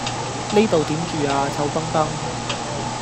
呢度點住呀臭崩崩